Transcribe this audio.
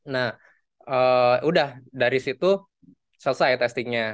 nah udah dari situ selesai testingnya